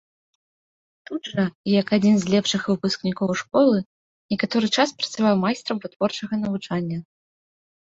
Тут жа, як адзін з лепшых выпускнікоў школы, некаторы час працаваў майстрам вытворчага навучання.